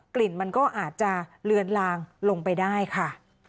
กลิ่นมันก็อาจจะเลือนลางลงไปได้ค่ะ